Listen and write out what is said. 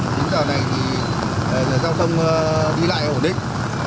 đến giờ này thì giao thông đi lại ổn định